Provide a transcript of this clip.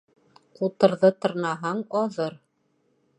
Ҡутырҙы тырнаһаң аҙыр.